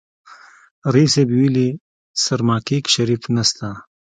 ريس صيب ويلې سرماکيک شريف نسته.